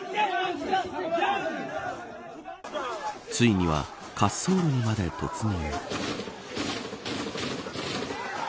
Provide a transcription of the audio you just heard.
ついには滑走路にまで突入。